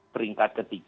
peringkat ke tiga